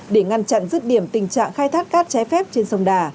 để ngăn chặn rứt điểm tình trạng khai thác cát trái phép trên sông đà